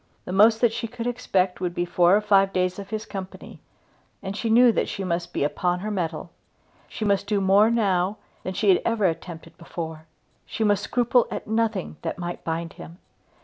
The most that she could expect would be four or five days of his company, and she knew that she must be upon her mettle. She must do more now than she had ever attempted before. She must scruple at nothing that might bind him.